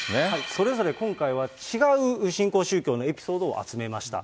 それぞれ今回は違う新興宗教のエピソードを集めました。